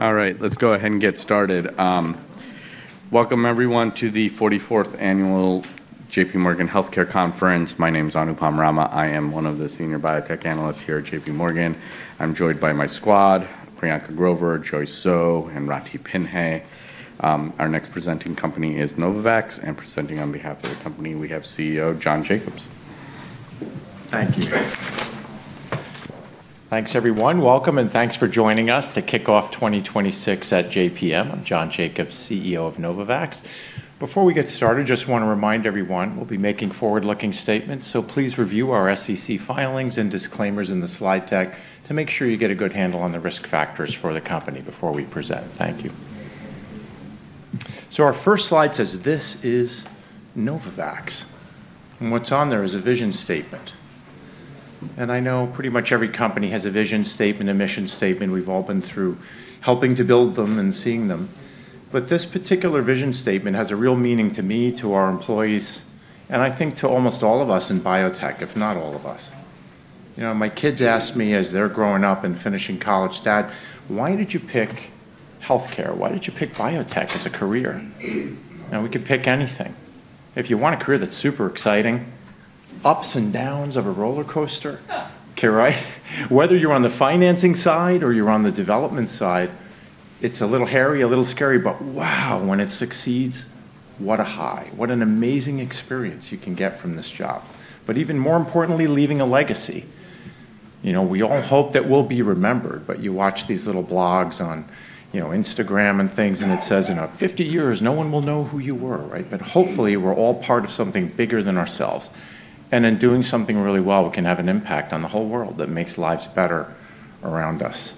All right, let's go ahead and get started. Welcome, everyone, to the 44th Annual JPMorgan Healthcare Conference. My name is Anupam Rama. I am one of the Senior Biotech Analysts here at JPMorgan. I'm joined by my squad: Priyanka Grover, Joyce Soh, and Ratih Pinhey. Our next presenting company is Novavax, and presenting on behalf of the company, we have CEO John Jacobs. Thank you. Thanks, everyone. Welcome, and thanks for joining us to CIC off 2026 at JPM. I'm John Jacobs, CEO of Novavax. Before we get started, just want to remind everyone we'll be making forward-looking statements, so please review our SEC filings and disclaimers in the slide deck to make sure you get a good handle on the risk factors for the company before we present. Thank you. So our first slide says, "This is Novavax." And what's on there is a vision statement. And I know pretty much every company has a vision statement, a mission statement. We've all been through helping to build them and seeing them. But this particular vision statement has a real meaning to me, to our employees, and I think to almost all of us in biotech, if not all of us. You know, my kids ask me as they're growing up and finishing college, "Dad, why did you pick healthcare? Why did you pick biotech as a career?" Now, we could pick anything. If you want a career that's super exciting, ups and downs of a roller coaster, okay, right? Whether you're on the financing side or you're on the development side, it's a little hairy, a little scary, but wow, when it succeeds, what a high, what an amazing experience you can get from this job. But even more importantly, leaving a legacy. You know, we all hope that we'll be remembered, but you watch these little blogs on Instagram and things, and it says, "In 50 years, no one will know who you were," right? But hopefully, we're all part of something bigger than ourselves. And in doing something really well, we can have an impact on the whole world that makes lives better around us.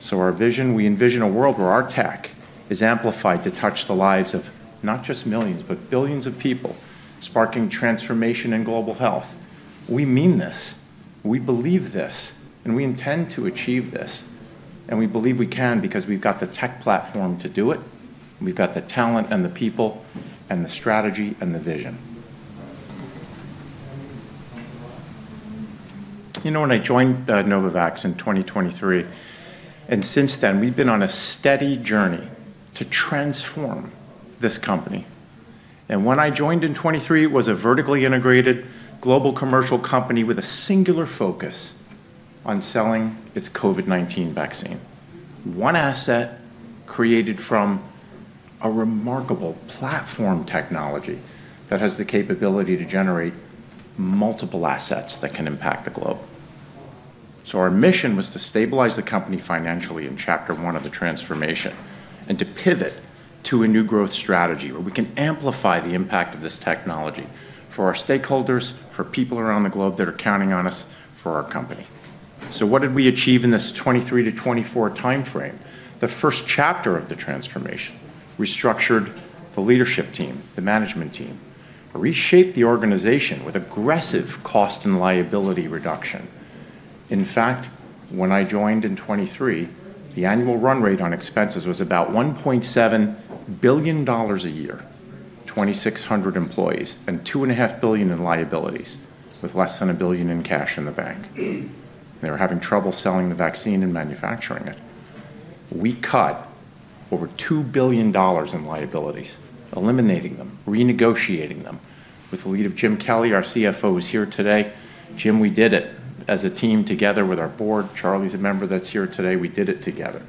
So our vision, we envision a world where our tech is amplified to touch the lives of not just millions, but billions of people, sparking transformation in global health. We mean this. We believe this, and we intend to achieve this. And we believe we can because we've got the tech platform to do it. We've got the talent and the people and the strategy and the vision. You know, when I joined Novavax in 2023, and since then, we've been on a steady journey to transform this company. And when I joined in 2023, it was a vertically integrated global commercial company with a singular focus on selling its COVID-19 vaccine. One asset created from a remarkable platform technology that has the capability to generate multiple assets that can impact the globe. Our mission was to stabilize the company financially in Chapter One of the transformation and to pivot to a new growth strategy where we can amplify the impact of this technology for our stakeholders, for people around the globe that are counting on us, for our company. What did we achieve in this 2023-2024 timeframe? The first chapter of the transformation. We structured the leadership team, the management team. We reshaped the organization with aggressive cost and liability reduction. In fact, when I joined in 2023, the annual run rate on expenses was about $1.7 billion a year, 2,600 employees, and $2.5 billion in liabilities, with less than $1 billion in cash in the bank. They were having trouble selling the vaccine and manufacturing it. We cut over $2 billion in liabilities, eliminating them, renegotiating them. With the lead of Jim Kelly, our CFO, who's here today, Jim, we did it as a team together with our board. Charlie's a member that's here today. We did it together.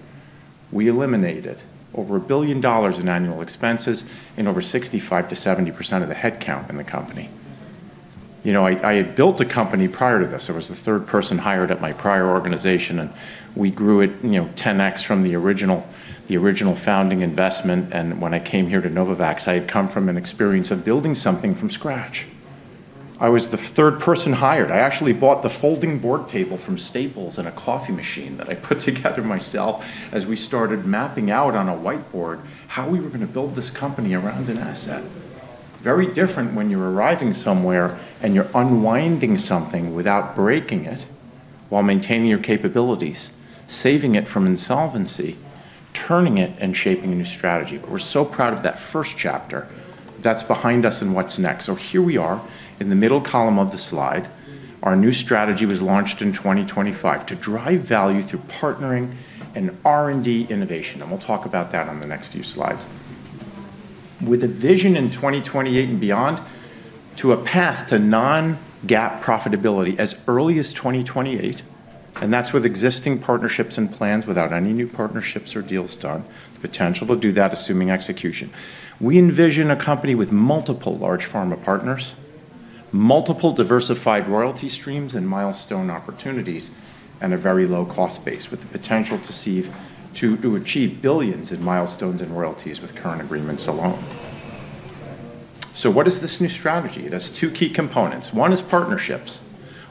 We eliminated over a billion dollars in annual expenses and over 65%-70% of the headcount in the company. You know, I had built a company prior to this. I was the third person hired at my prior organization, and we grew it, you know, 10x from the original founding investment. When I came here to Novavax, I had come from an experience of building something from scratch. I was the third person hired. I actually bought the folding board table from Staples and a coffee machine that I put together myself as we started mapping out on a whiteboard how we were going to build this company around an asset. Very different when you're arriving somewhere and you're unwinding something without breaking it while maintaining your capabilities, saving it from insolvency, turning it, and shaping a new strategy, but we're so proud of that first chapter. That's behind us in what's next, so here we are in the middle column of the slide. Our new strategy was launched in 2025 to drive value through partnering and R&D innovation, and we'll talk about that on the next few slides. With a vision in 2028 and beyond to a path to non-GAAP profitability as early as 2028, and that's with existing partnerships and plans without any new partnerships or deals done, the potential to do that assuming execution. We envision a company with multiple large pharma partners, multiple diversified royalty streams and milestone opportunities, and a very low cost base with the potential to achieve billions in milestones and royalties with current agreements alone. So what is this new strategy? It has two key components. One is partnerships.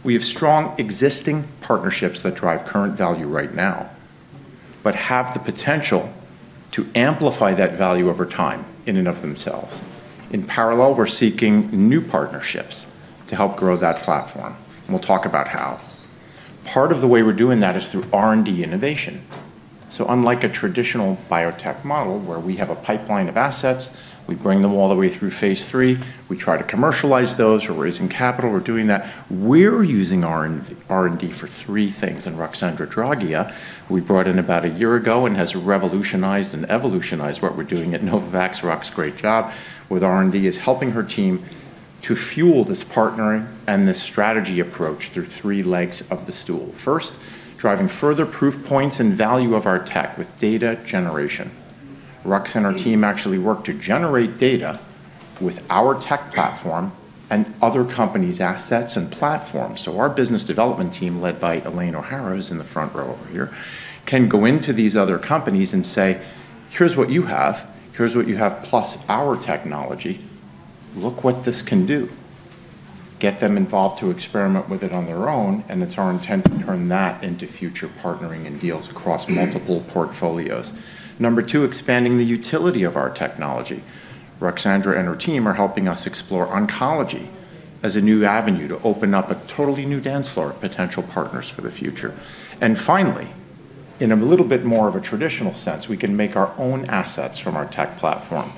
We have strong existing partnerships that drive current value right now, but have the potential to amplify that value over time in and of themselves. In parallel, we're seeking new partnerships to help grow that platform. We'll talk about how. Part of the way we're doing that is through R&D innovation. So, unlike a traditional biotech model where we have a pipeline of assets, we bring them all the way through phase three. We try to commercialize those. We're raising capital. We're doing that. We're using R&D for three things, and Ruxandra Draghia, who we brought in about a year ago and has revolutionized and evolutionized what we're doing at Novavax, Rux, great job with R&D, is helping her team to fuel this partnering and this strategy approach through three legs of the stool. First, driving further proof points and value of our tech with data generation. Rux and our team actually work to generate data with our tech platform and other companies' assets and platforms. So, our business development team, led by Elaine O'Hara who's in the front row over here, can go into these other companies and say, "Here's what you have. Here's what you have plus our technology. Look what this can do." Get them involved to experiment with it on their own, and it's our intent to turn that into future partnering and deals across multiple portfolios. Number two, expanding the utility of our technology. Ruxandra and her team are helping us explore oncology as a new avenue to open up a totally new dance floor of potential partners for the future. And finally, in a little bit more of a traditional sense, we can make our own assets from our tech platform.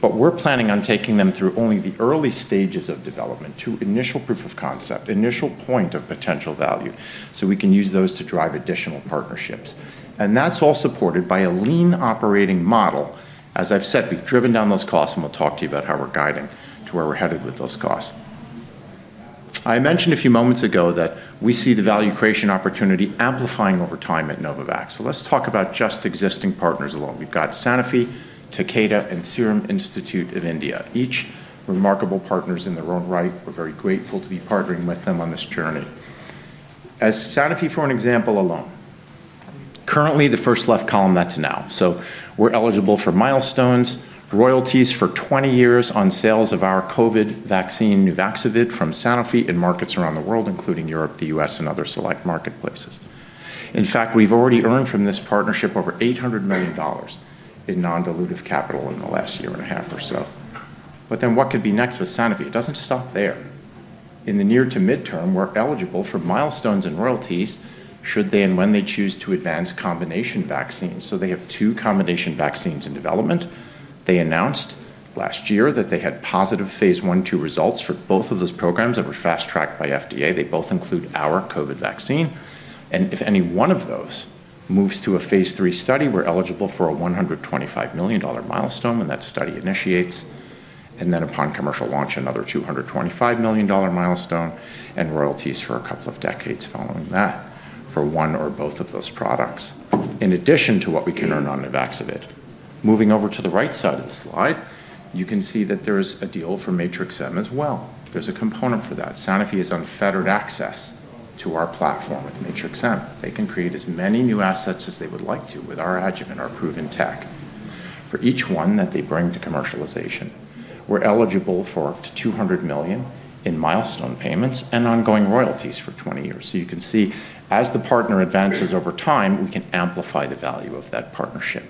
But we're planning on taking them through only the early stages of development to initial proof of concept, initial point of potential value, so we can use those to drive additional partnerships. And that's all supported by a lean operating model. As I've said, we've driven down those costs, and we'll talk to you about how we're guiding to where we're headed with those costs. I mentioned a few moments ago that we see the value creation opportunity amplifying over time at Novavax. So let's talk about just existing partners alone. We've got Sanofi, Takeda, and Serum Institute of India, each remarkable partners in their own right. We're very grateful to be partnering with them on this journey. As Sanofi, for an example alone, currently the first left column, that's now. So we're eligible for milestones, royalties for 20 years on sales of our COVID vaccine, Nuvaxovid, from Sanofi in markets around the world, including Europe, the U.S., and other select marketplaces. In fact, we've already earned from this partnership over $800 million in non-dilutive capital in the last year and a half or so. But then what could be next with Sanofi? It doesn't stop there. In the near to midterm, we're eligible for milestones and royalties should they and when they choose to advance combination vaccines. So they have two combination vaccines in development. They announced last year that they had positive phase I/II results for both of those programs that were fast-tracked by FDA. They both include our COVID vaccine. And if any one of those moves to a phase III study, we're eligible for a $125 million milestone, and that study initiates. And then upon commercial launch, another $225 million milestone and royalties for a couple of decades following that for one or both of those products, in addition to what we can earn on Nuvaxovid. Moving over to the right side of the slide, you can see that there is a deal for Matrix-M as well. There's a component for that. Sanofi has unfettered access to our platform with Matrix-M. They can create as many new assets as they would like to with our adjuvant, our proven tech. For each one that they bring to commercialization, we're eligible for up to $200 million in milestone payments and ongoing royalties for 20 years. So you can see as the partner advances over time, we can amplify the value of that partnership.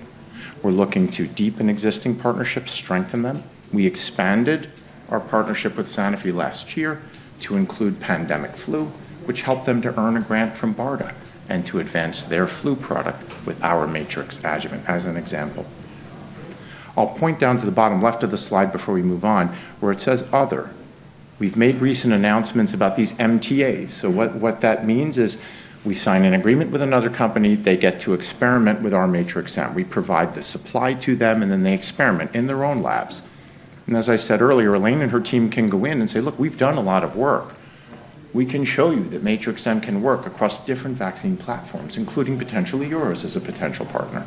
We're looking to deepen existing partnerships, strengthen them. We expanded our partnership with Sanofi last year to include pandemic flu, which helped them to earn a grant from BARDA and to advance their flu product with our Matrix-M adjuvant as an example. I'll point down to the bottom left of the slide before we move on, where it says "Other." We've made recent announcements about these MTAs. So what that means is we sign an agreement with another company. They get to experiment with our Matrix-M. We provide the supply to them, and then they experiment in their own labs. And as I said earlier, Elaine and her team can go in and say, "Look, we've done a lot of work. We can show you that Matrix-M can work across different vaccine platforms, including potentially yours as a potential partner."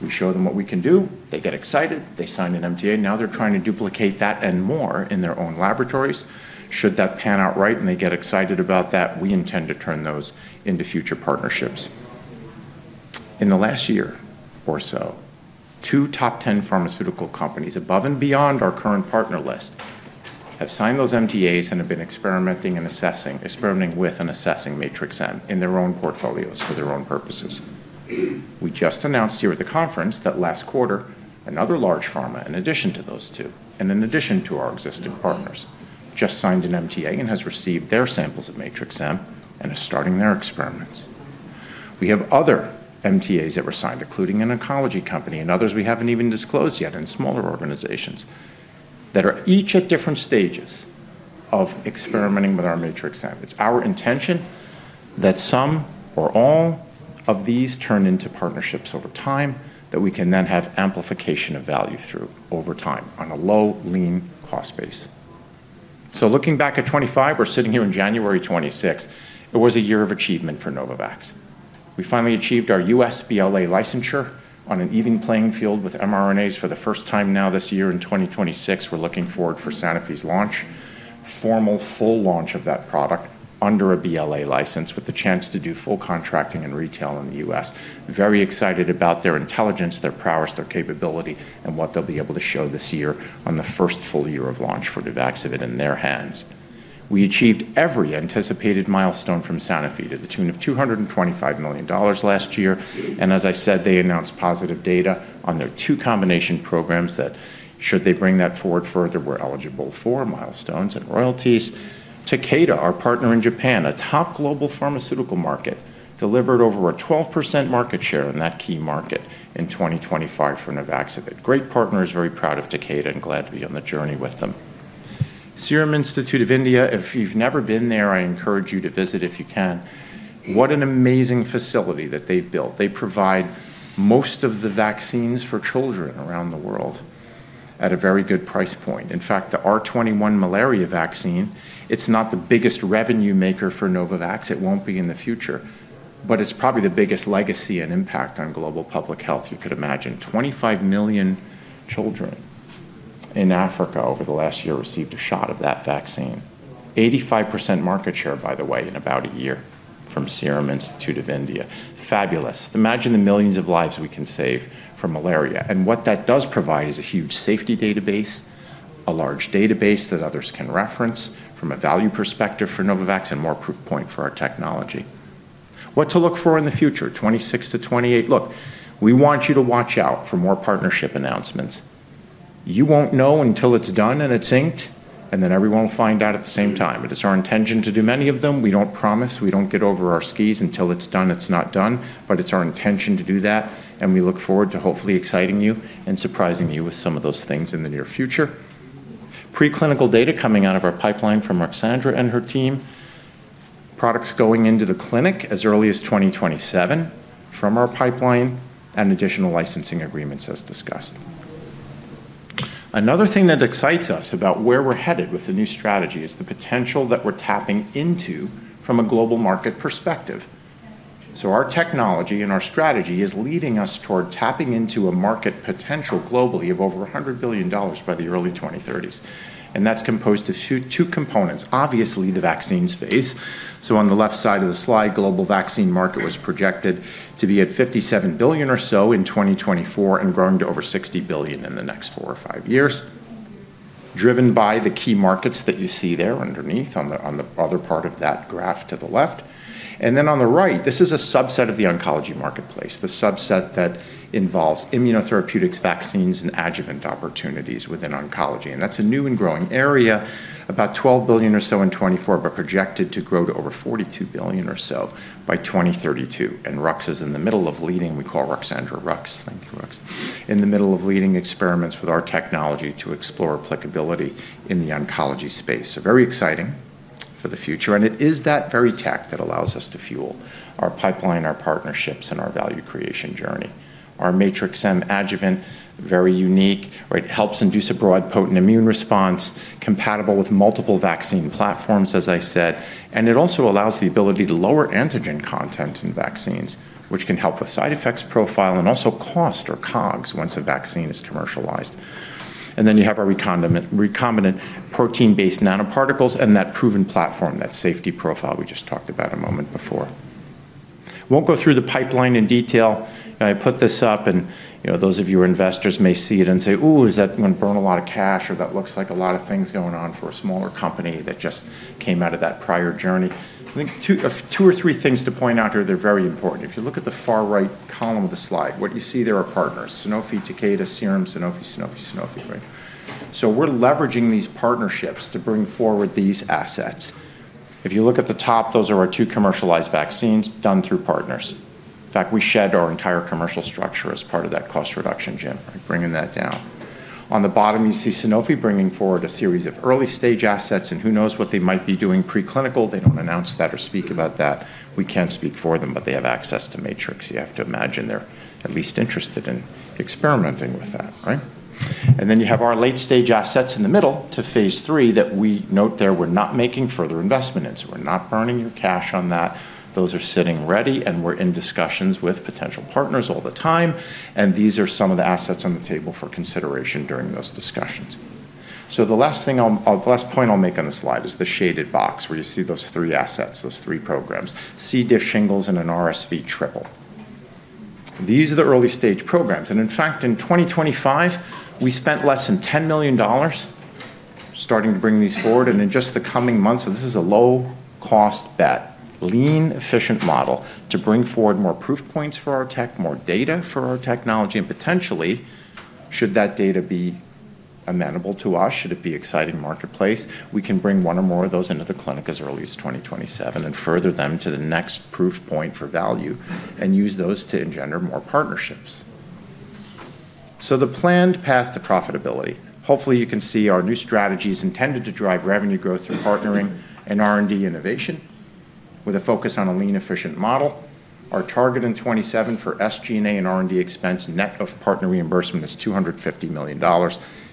We show them what we can do. They get excited. They sign an MTA. Now they're trying to duplicate that and more in their own laboratories. Should that pan out right and they get excited about that, we intend to turn those into future partnerships. In the last year or so, two top 10 pharmaceutical companies above and beyond our current partner list have signed those MTAs and have been experimenting and assessing, experimenting with and assessing Matrix-M in their own portfolios for their own purposes. We just announced here at the conference that last quarter, another large pharma, in addition to those two, and in addition to our existing partners, just signed an MTA and has received their samples of Matrix-M and is starting their experiments. We have other MTAs that were signed, including an oncology company and others we haven't even disclosed yet in smaller organizations that are each at different stages of experimenting with our Matrix-M. It's our intention that some or all of these turn into partnerships over time that we can then have amplification of value through over time on a low, lean cost base. Looking back at 2025, we're sitting here in January 2026. It was a year of achievement for Novavax. We finally achieved our U.S. BLA licensure on an even playing field with mRNAs for the first time now this year in 2026. We're looking forward for Sanofi's launch, formal full launch of that product under a BLA license with the chance to do full contracting and retail in the U.S. Very excited about their intelligence, their prowess, their capability, and what they'll be able to show this year on the first full year of launch for Nuvaxovid in their hands. We achieved every anticipated milestone from Sanofi to the tune of $225 million last year. And as I said, they announced positive data on their two combination programs that should they bring that forward further, we're eligible for milestones and royalties. Takeda, our partner in Japan, a top global pharmaceutical market, delivered over a 12% market share in that key market in 2025 for Nuvaxovid. Great partners, very proud of Takeda and glad to be on the journey with them. Serum Institute of India, if you've never been there, I encourage you to visit if you can. What an amazing facility that they've built. They provide most of the vaccines for children around the world at a very good price point. In fact, the R21 malaria vaccine, it's not the biggest revenue maker for Novavax. It won't be in the future, but it's probably the biggest legacy and impact on global public health you could imagine. 25 million children in Africa over the last year received a shot of that vaccine. 85% market share, by the way, in about a year from Serum Institute of India. Fabulous. Imagine the millions of lives we can save from malaria. And what that does provide is a huge safety database, a large database that others can reference from a value perspective for Novavax and more proof point for our technology. What to look for in the future? 2026-2028. Look, we want you to watch out for more partnership announcements. You won't know until it's done and it's inked, and then everyone will find out at the same time. It is our intention to do many of them. We don't promise. We don't get over our skis until it's done. It's not done, but it's our intention to do that. And we look forward to hopefully exciting you and surprising you with some of those things in the near future. Pre-clinical data coming out of our pipeline from Ruxandra and her team. Products going into the clinic as early as 2027 from our pipeline and additional licensing agreements as discussed. Another thing that excites us about where we're headed with the new strategy is the potential that we're tapping into from a global market perspective. So our technology and our strategy is leading us toward tapping into a market potential globally of over $100 billion by the early 2030s, and that's composed of two components, obviously, the vaccine space, so on the left side of the slide, global vaccine market was projected to be at $57 billion or so in 2024 and growing to over $60 billion in the next four or five years, driven by the key markets that you see there underneath on the other part of that graph to the left. Then on the right, this is a subset of the oncology marketplace, the subset that involves immunotherapeutics, vaccines, and adjuvant opportunities within oncology. And that's a new and growing area, about $12 billion or so in 2024, but projected to grow to over $42 billion or so by 2032. And Rux is in the middle of leading. We call Ruxandra Rux. Thank you, Rux. In the middle of leading experiments with our technology to explore applicability in the oncology space. So very exciting for the future. And it is that very tech that allows us to fuel our pipeline, our partnerships, and our value creation journey. Our Matrix-M adjuvant, very unique, right? Helps induce a broad potent immune response compatible with multiple vaccine platforms, as I said. And it also allows the ability to lower antigen content in vaccines, which can help with side effects profile and also cost or COGS once a vaccine is commercialized. And then you have our recombinant protein-based nanoparticles and that proven platform, that safety profile we just talked about a moment before. Won't go through the pipeline in detail. I put this up, and those of you investors may see it and say, "Ooh, is that going to burn a lot of cash?" Or, "That looks like a lot of things going on for a smaller company that just came out of that prior journey." I think two or three things to point out here. They're very important. If you look at the far right column of the slide, what you see there are partners: Sanofi, Takeda, Serum, Sanofi, Sanofi, Sanofi, right? We're leveraging these partnerships to bring forward these assets. If you look at the top, those are our two commercialized vaccines done through partners. In fact, we shed our entire commercial structure as part of that cost reduction plan, right? Bringing that down. On the bottom, you see Sanofi bringing forward a series of early-stage assets, and who knows what they might be doing preclinical. They don't announce that or speak about that. We can't speak for them, but they have access to Matrix. You have to imagine they're at least interested in experimenting with that, right? And then you have our late-stage assets in the middle to phase three that we note there we're not making further investment in. So we're not burning your cash on that. Those are sitting ready, and we're in discussions with potential partners all the time. These are some of the assets on the table for consideration during those discussions. So the last thing I'll, the last point I'll make on the slide is the shaded box where you see those three assets, those three programs: C. diff, Shingles, and an RSV triple. These are the early-stage programs. In fact, in 2025, we spent less than $10 million starting to bring these forward. In just the coming months, so this is a low-cost bet, lean, efficient model to bring forward more proof points for our tech, more data for our technology. Potentially, should that data be amenable to us, should it be exciting marketplace, we can bring one or more of those into the clinic as early as 2027 and further them to the next proof point for value and use those to engender more partnerships. So the planned path to profitability. Hopefully, you can see our new strategies intended to drive revenue growth through partnering and R&D innovation with a focus on a lean, efficient model. Our target in 2027 for SG&A and R&D expense net of partner reimbursement is $250 million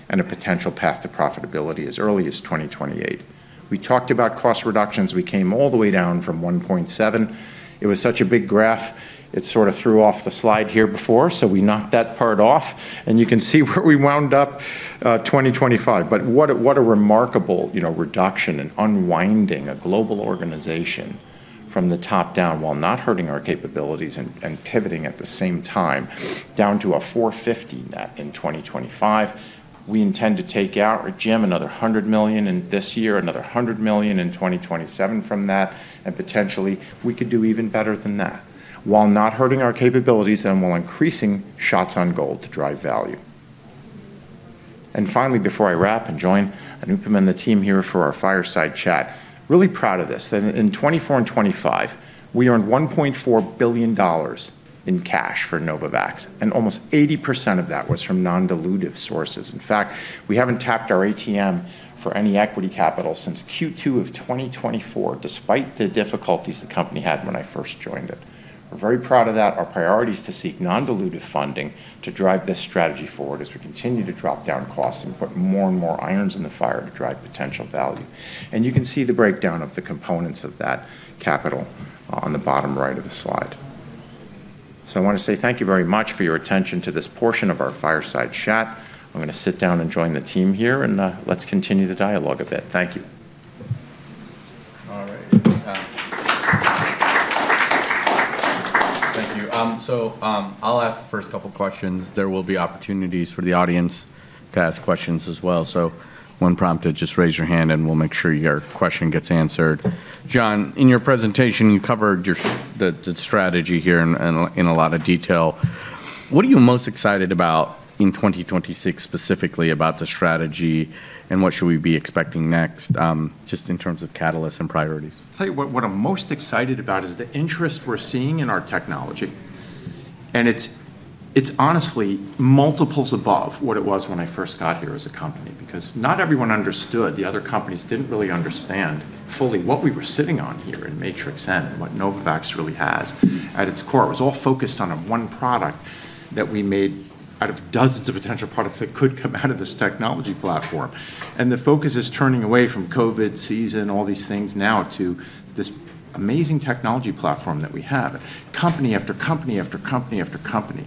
and a potential path to profitability as early as 2028. We talked about cost reductions. We came all the way down from 1.7. It was such a big graph. It sort of threw off the slide here before. So we knocked that part off. And you can see where we wound up 2025. But what a remarkable reduction and unwinding a global organization from the top down while not hurting our capabilities and pivoting at the same time down to a $450 net in 2025. We intend to take out or jam another $100 million in this year, another $100 million in 2027 from that. And potentially, we could do even better than that while not hurting our capabilities and while increasing shots on goal to drive value. And finally, before I wrap and join Anupam and the team here for our fireside chat, really proud of this that in 2024 and 2025, we earned $1.4 billion in cash for Novavax, and almost 80% of that was from non-dilutive sources. In fact, we haven't tapped our ATM for any equity capital since Q2 of 2024, despite the difficulties the company had when I first joined it. We're very proud of that. Our priority is to seek non-dilutive funding to drive this strategy forward as we continue to drop down costs and put more and more irons in the fire to drive potential value. And you can see the breakdown of the components of that capital on the bottom right of the slide. So I want to say thank you very much for your attention to this portion of our fireside chat. I'm going to sit down and join the team here, and let's continue the dialogue a bit. Thank you. All right. Thank you. So I'll ask the first couple of questions. There will be opportunities for the audience to ask questions as well. So when prompted, just raise your hand, and we'll make sure your question gets answered. John, in your presentation, you covered the strategy here in a lot of detail. What are you most excited about in 2026, specifically about the strategy, and what should we be expecting next just in terms of catalysts and priorities? I'll tell you what I'm most excited about is the interest we're seeing in our technology. And it's honestly multiples above what it was when I first got here as a company because not everyone understood. The other companies didn't really understand fully what we were sitting on here in Matrix-M and what Novavax really has. At its core, it was all focused on one product that we made out of dozens of potential products that could come out of this technology platform. And the focus is turning away from COVID season, all these things now to this amazing technology platform that we have. Company after company after company after company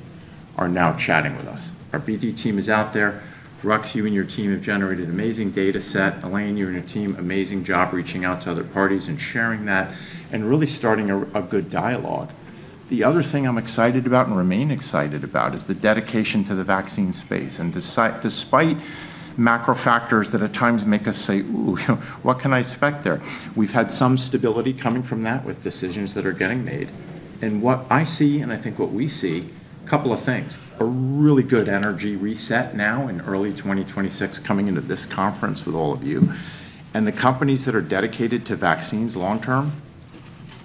are now chatting with us. Our BD team is out there. Rux, you and your team have generated an amazing data set. Elaine, you and your team, amazing job reaching out to other parties and sharing that and really starting a good dialogue. The other thing I'm excited about and remain excited about is the dedication to the vaccine space. And despite macro factors that at times make us say, "Ooh, what can I expect there?" We've had some stability coming from that with decisions that are getting made. And what I see, and I think what we see, a couple of things. A really good energy reset now in early 2026 coming into this conference with all of you. And the companies that are dedicated to vaccines long-term,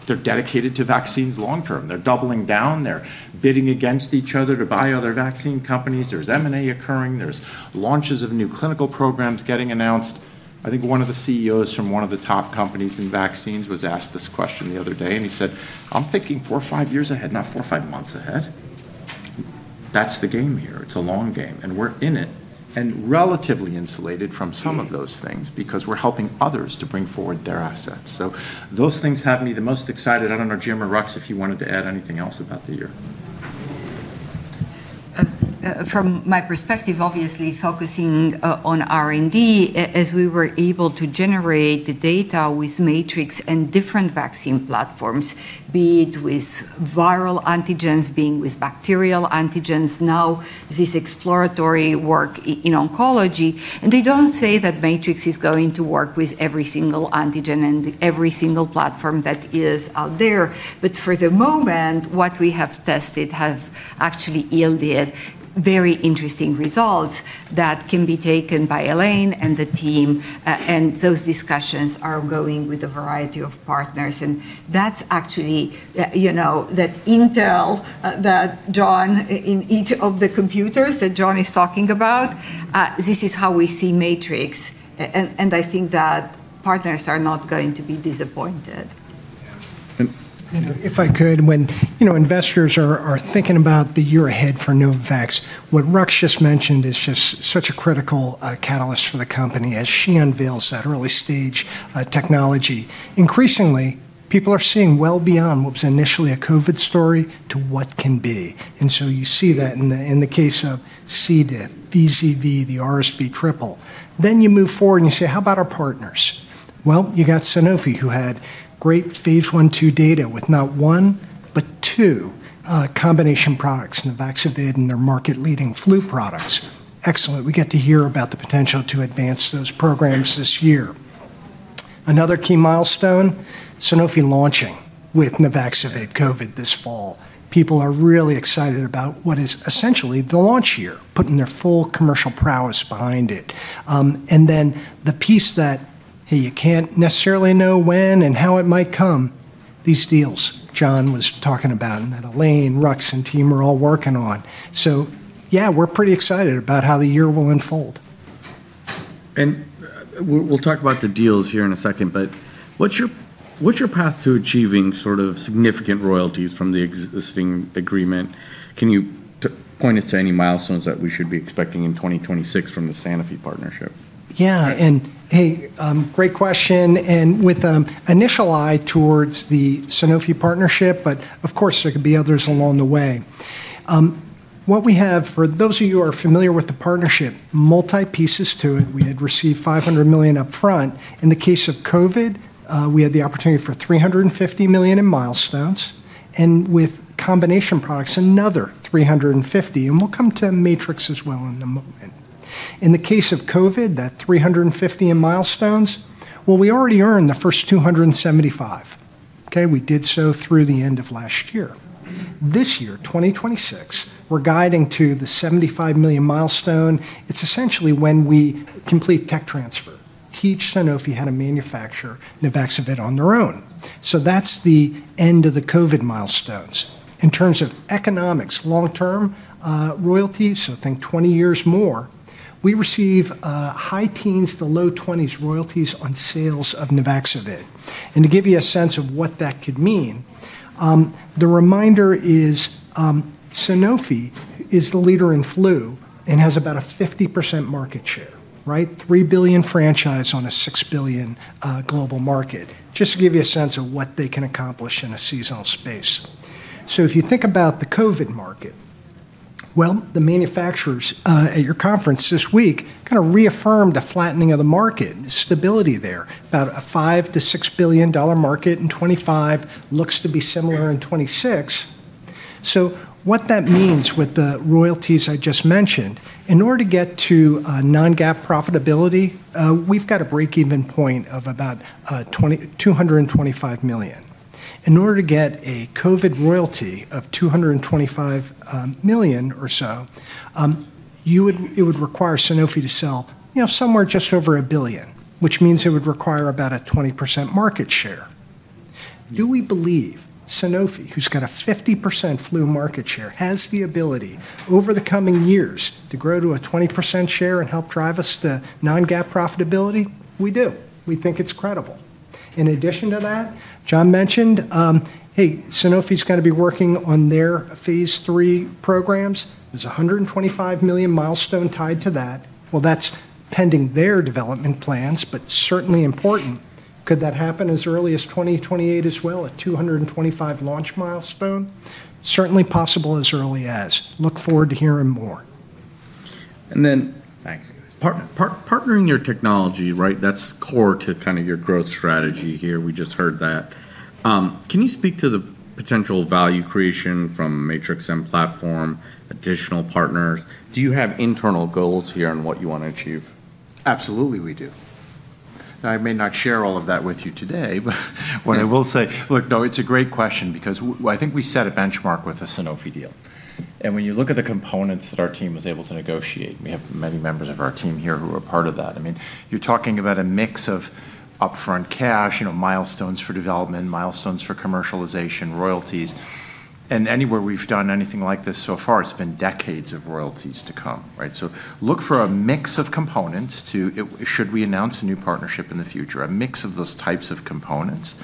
they're dedicated to vaccines long-term. They're doubling down. They're bidding against each other to buy other vaccine companies. There's M&A occurring. There's launches of new clinical programs getting announced. I think one of the CEOs from one of the top companies in vaccines was asked this question the other day, and he said, "I'm thinking four or five years ahead, not four or five months ahead." That's the game here. It's a long game, and we're in it and relatively insulated from some of those things because we're helping others to bring forward their assets. So those things have me the most excited. I don't know, Jim or Rux, if you wanted to add anything else about the year. From my perspective, obviously focusing on R&D, as we were able to generate the data with Matrix and different vaccine platforms, be it with viral antigens, being with bacterial antigens. Now, this exploratory work in oncology, and they don't say that Matrix is going to work with every single antigen and every single platform that is out there. But for the moment, what we have tested have actually yielded very interesting results that can be taken by Elaine and the team. And those discussions are going with a variety of partners. And that's actually the intel that, John, in each of the computers that John is talking about. This is how we see Matrix. And I think that partners are not going to be disappointed. And if I could, when investors are thinking about the year ahead for Novavax, what Rux just mentioned is just such a critical catalyst for the company as she unveils that early-stage technology. Increasingly, people are seeing well beyond what was initially a COVID story to what can be. And so you see that in the case of C. diff, VZV, the RSV triple. Then you move forward and you say, "How about our partners?" Well, you got Sanofi, who had great phase 1/2 data with not one, but two combination products, Novavax COVID and their market-leading flu products. Excellent. We get to hear about the potential to advance those programs this year. Another key milestone, Sanofi launching with Novavax COVID this fall. People are really excited about what is essentially the launch year, putting their full commercial prowess behind it. And then the piece that, hey, you can't necessarily know when and how it might come, these deals John was talking about and that Elaine, Rux, and team are all working on. So yeah, we're pretty excited about how the year will unfold. And we'll talk about the deals here in a second, but what's your path to achieving sort of significant royalties from the existing agreement? Can you point us to any milestones that we should be expecting in 2026 from the Sanofi partnership? Yeah. And hey, great question. And with initial eye towards the Sanofi partnership, but of course, there could be others along the way. What we have for those of you who are familiar with the partnership, multiple pieces to it. We had received $500 million upfront. In the case of COVID, we had the opportunity for $350 million in milestones. And with combination products, another $350 million. And we'll come to Matrix as well in a moment. In the case of COVID, that $350 million in milestones, well, we already earned the first $275 million. Okay? We did so through the end of last year. This year, 2026, we're guiding to the $75 million milestone. It's essentially when we complete tech transfer, teach Sanofi how to manufacture Novavax vaccine on their own. So that's the end of the COVID milestones. In terms of economics, long-term royalties, so think 20 years more, we receive high teens to low 20s royalties on sales of Nuvaxovid. And to give you a sense of what that could mean, a reminder is Sanofi is the leader in flu and has about a 50% market share, right? $3 billion franchise on a $6 billion global market, just to give you a sense of what they can accomplish in a seasonal space. So if you think about the COVID market, well, the manufacturers at your conference this week kind of reaffirmed a flattening of the market and stability there, about a $5-$6 billion market in 2025, looks to be similar in 2026. So what that means with the royalties I just mentioned, in order to get to non-GAAP profitability, we've got a break-even point of about $225 million. In order to get a COVID royalty of $225 million or so, it would require Sanofi to sell somewhere just over a billion, which means it would require about a 20% market share. Do we believe Sanofi, who's got a 50% flu market share, has the ability over the coming years to grow to a 20% share and help drive us to non-GAAP profitability? We do. We think it's credible. In addition to that, John mentioned, hey, Sanofi's going to be working on their phase three programs. There's a $125 million milestone tied to that. Well, that's pending their development plans, but certainly important. Could that happen as early as 2028 as well, a $225 million launch milestone? Certainly possible as early as. look forward to hearing more. And then thanks. Partnering your technology, right? That's core to kind of your growth strategy here. We just heard that. Can you speak to the potential value creation from Matrix-M platform, additional partners? Do you have internal goals here on what you want to achieve? Absolutely, we do. Now, I may not share all of that with you today, but what I will say, look, no, it's a great question because I think we set a benchmark with the Sanofi deal, and when you look at the components that our team was able to negotiate, we have many members of our team here who are part of that. I mean, you're talking about a mix of upfront cash, milestones for development, milestones for commercialization, royalties, and anywhere we've done anything like this so far, it's been decades of royalties to come, right? So look for a mix of components too, should we announce a new partnership in the future, a mix of those types of components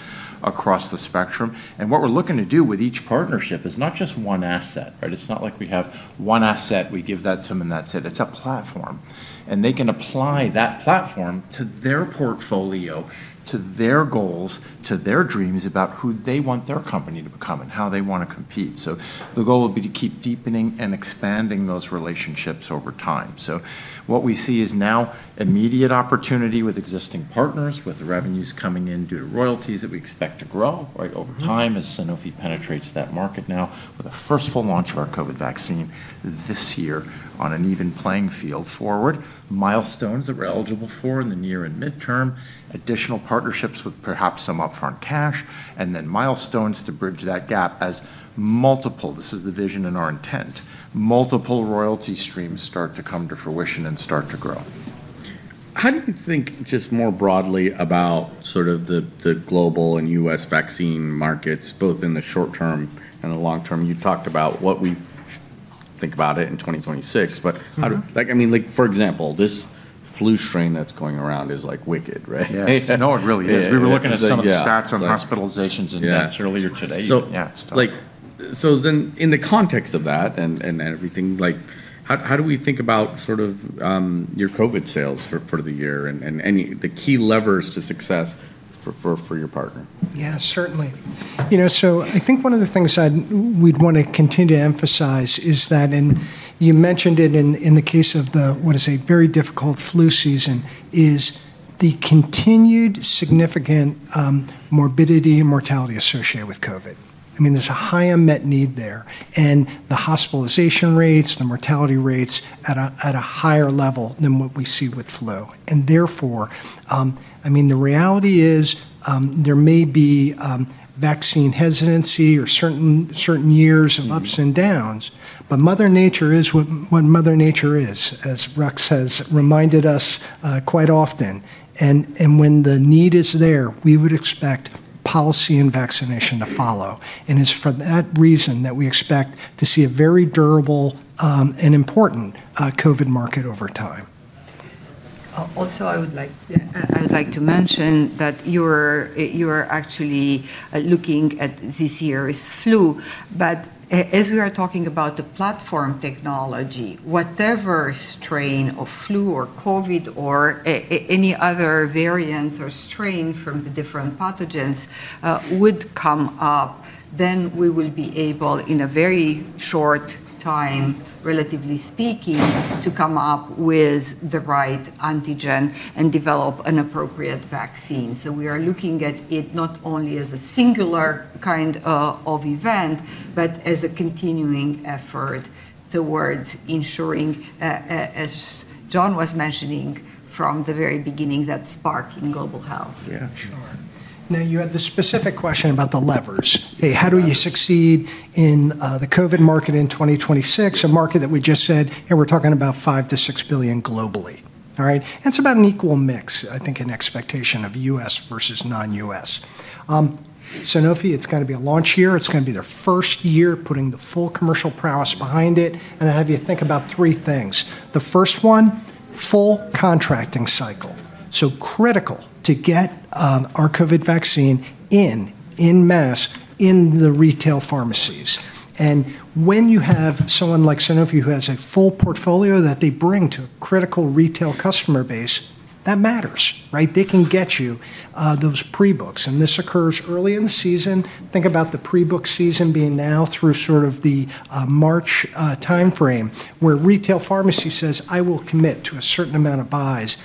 across the spectrum. And what we're looking to do with each partnership is not just one asset, right? It's not like we have one asset, we give that to them and that's it. It's a platform. And they can apply that platform to their portfolio, to their goals, to their dreams about who they want their company to become and how they want to compete. So the goal would be to keep deepening and expanding those relationships over time. So what we see is now immediate opportunity with existing partners, with revenues coming in due to royalties that we expect to grow, right, over time as Sanofi penetrates that market now with the first full launch of our COVID vaccine this year on an even playing field forward, milestones that we're eligible for in the near and midterm, additional partnerships with perhaps some upfront cash, and then milestones to bridge that gap as multiple, this is the vision and our intent, multiple royalty streams start to come to fruition and start to grow. How do you think just more broadly about sort of the global and U.S. vaccine markets, both in the short term and the long term? You talked about what we think about it in 2026, but I mean, for example, this flu strain that's going around is like wicked, right? Yes. No, it really is. We were looking at some of the stats on hospitalizations and deaths earlier today. Yeah. So then in the context of that and everything, how do we think about sort of your COVID sales for the year and the key levers to success for your partner? Yeah, certainly. So I think one of the things we'd want to continue to emphasize is that, and you mentioned it in the case of the, what is a very difficult flu season, is the continued significant morbidity and mortality associated with COVID. I mean, there's a high unmet need there. And the hospitalization rates, the mortality rates at a higher level than what we see with flu. And therefore, I mean, the reality is there may be vaccine hesitancy or certain years of ups and downs, but Mother Nature is what Mother Nature is, as Rux has reminded us quite often. When the need is there, we would expect policy and vaccination to follow. It's for that reason that we expect to see a very durable and important COVID market over time. Also, I would like to mention that you are actually looking at this year's flu. But as we are talking about the platform technology, whatever strain of flu or COVID or any other variants or strain from the different pathogens would come up, then we will be able, in a very short time, relatively speaking, to come up with the right antigen and develop an appropriate vaccine. We are looking at it not only as a singular kind of event, but as a continuing effort towards ensuring, as John was mentioning from the very beginning, that spark in global health. Yeah, sure. Now, you had the specific question about the levers. Hey, how do we succeed in the COVID market in 2026, a market that we just said, hey, we're talking about $5-$6 billion globally, all right? It's about an equal mix, I think, in expectation of U.S. versus non-U.S.. Sanofi. It's going to be a launch year. It's going to be their first year putting the full commercial prowess behind it. I have you think about three things. The first one, full contracting cycle. So critical to get our COVID vaccine en masse in the retail pharmacies. When you have someone like Sanofi who has a full portfolio that they bring to a critical retail customer base, that matters, right? They can get you those pre-books. This occurs early in the season. Think about the pre-book season being now through sort of the March timeframe where retail pharmacy says, "I will commit to a certain amount of buys."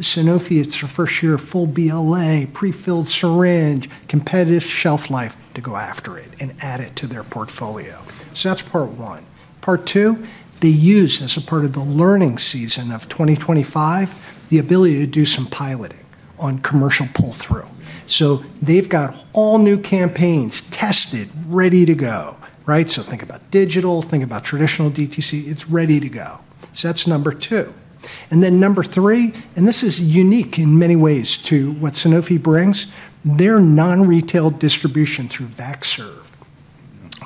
Sanofi, it's their first year of full BLA, prefilled syringe, competitive shelf life to go after it and add it to their portfolio, so that's part one. Part two, they use as a part of the learning season of 2025, the ability to do some piloting on commercial pull-through, so they've got all new campaigns tested, ready to go, right? So think about digital, think about traditional DTC. It's ready to go, so that's number two, and then number three, and this is unique in many ways to what Sanofi brings, their non-retail distribution through VaxServe.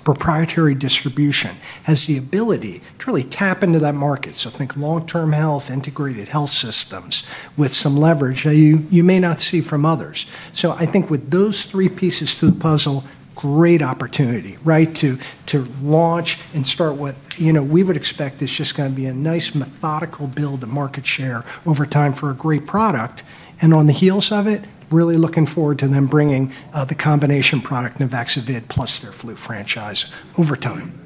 Proprietary distribution has the ability to really tap into that market. So I think long-term health, integrated health systems with some leverage that you may not see from others. So I think with those three pieces to the puzzle, great opportunity, right, to launch and start what we would expect is just going to be a nice methodical build of market share over time for a great product. And on the heels of it, really looking forward to them bringing the combination product, Nuvaxovid, plus their flu franchise over time.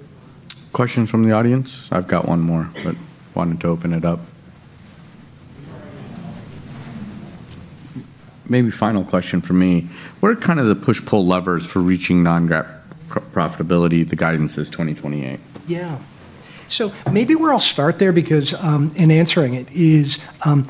Questions from the audience? I've got one more, but wanted to open it up. Maybe final question for me. What are kind of the push-pull levers for reaching non-GAAP profitability? The guidance is 2028? Yeah. So maybe we'll all start there because in answering it is,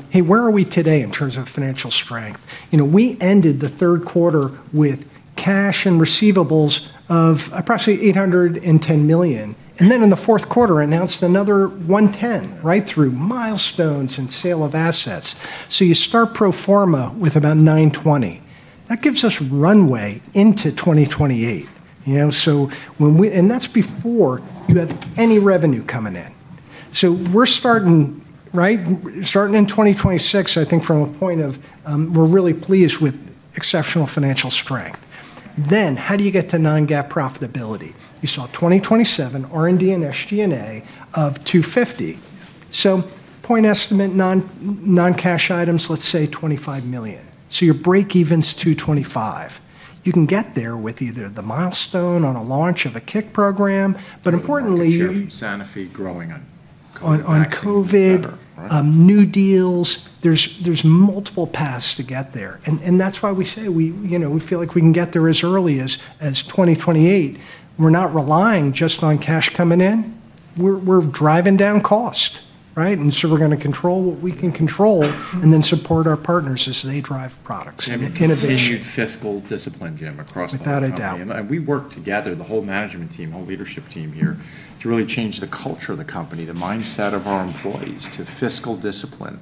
hey, where are we today in terms of financial strength? We ended the third quarter with cash and receivables of approximately $810 million. And then in the fourth quarter, announced another $110 million, right, through milestones and sale of assets. So you start pro forma with about $920 million. That gives us runway into 2028. So when we, and that's before you have any revenue coming in. So we're starting, right, starting in 2026, I think from a point of we're really pleased with exceptional financial strength. Then how do you get to non-GAAP profitability? You saw 2027 R&D and SG&A of $250 million. So point estimate non-cash items, let's say $25 million. So your break-even's $225 million. You can get there with either the milestone on a launch of a CIC program, but importantly. So you've seen Sanofi growing. On COVID, new deals. There's multiple paths to get there. And that's why we say we feel like we can get there as early as 2028. We're not relying just on cash coming in. We're driving down cost, right? And so we're going to control what we can control and then support our partners as they drive products and innovation. And we've issued fiscal discipline, Jim, across the company. Without a doubt. And we work together, the whole management team, whole leadership team here, to really change the culture of the company, the mindset of our employees to fiscal discipline.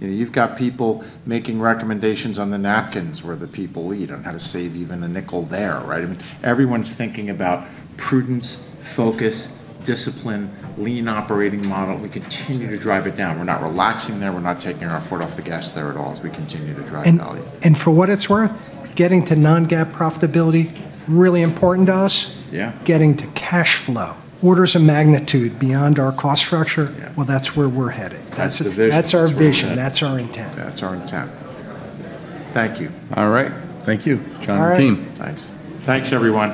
You've got people making recommendations on the napkins where the people eat on how to save even a nickel there, right? I mean, everyone's thinking about prudence, focus, discipline, lean operating model. We continue to drive it down. We're not relaxing there. We're not taking our foot off the gas there at all as we continue to drive value. And for what it's worth, getting to non-GAAP profitability, really important to us. Getting to cash flow, orders of magnitude beyond our cost structure. Well, that's where we're headed. That's our vision. That's our intent. Thank you. All right. Thank you, John and team. All right. Thanks. Thanks, everyone.